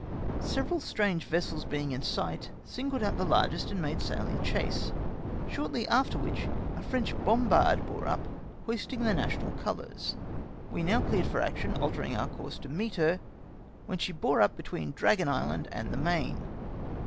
Several strange vessels being in sight, singled out the largest and made sail in chase; shortly after which a French bombard bore up, hoisting the national colours. We now cleared for action, altering our course to meet her, when she bore up between Dragon Island and the Main.